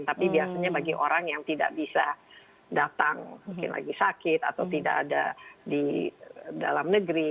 tapi biasanya bagi orang yang tidak bisa datang mungkin lagi sakit atau tidak ada di dalam negeri